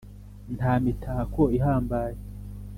nta mitako ihambaye,